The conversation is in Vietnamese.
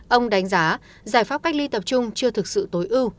ông đánh giá giải pháp cách ly tập trung chưa thực sự tối ưu